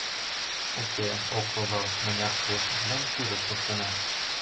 Уке, ок логал: мыняр пуышашдам тӱрыс луктына!..